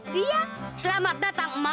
dia selamat datang mak